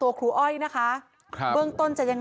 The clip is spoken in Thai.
มีเรื่องอะไรมาคุยกันรับได้ทุกอย่าง